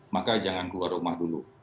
maka jangan keluar rumah dulu